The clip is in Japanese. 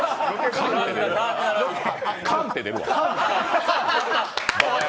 カンッ！って出るわ。